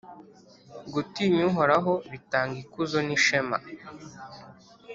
Gutinya Uhoraho bitanga ikuzo n’ishema,